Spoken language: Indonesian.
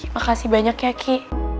makasih banyak ya ki